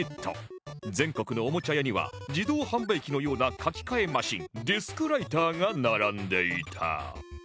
全国のおもちゃ屋には自動販売機のような書き換えマシンディスクライターが並んでいた